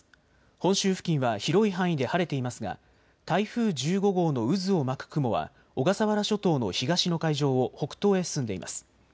本州付近は広い範囲で晴れていますが台風１５号の渦を巻く雲は小笠原諸島の東の海上を北東へ進んでいます。